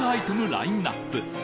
ラインナップ